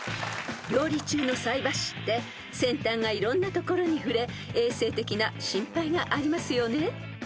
［料理中の菜箸って先端がいろんな所に触れ衛生的な心配がありますよね］